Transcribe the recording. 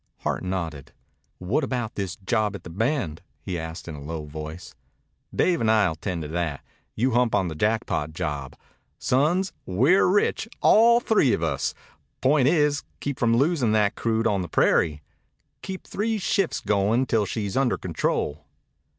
Hart nodded. "What about this job at the Bend?" he asked in a low voice. "Dave and I'll attend to that. You hump on the Jackpot job. Sons, we're rich, all three of us. Point is to keep from losin' that crude on the prairie. Keep three shifts goin' till she's under control."